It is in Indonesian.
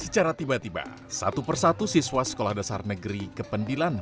secara tiba tiba satu persatu siswa sekolah dasar negeri kependilan